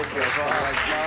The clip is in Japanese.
お願いします。